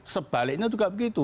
sebaliknya juga begitu